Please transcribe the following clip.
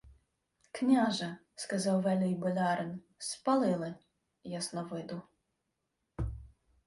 — Княже, — сказав велій болярин, — спалили... Ясновиду.